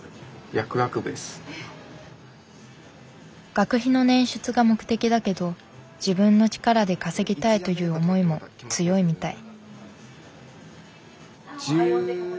学費の捻出が目的だけど自分の力で稼ぎたいという思いも強いみたい。